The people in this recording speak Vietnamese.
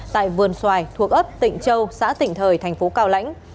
tại vườn xoài thuộc ấp tịnh châu xã tỉnh thời thành phố cao lãnh